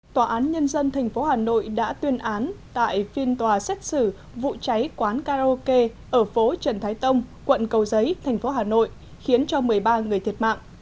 tòa án nhân dân tp hà nội đã tuyên án tại phiên tòa xét xử vụ cháy quán karaoke ở phố trần thái tông quận cầu giấy thành phố hà nội khiến cho một mươi ba người thiệt mạng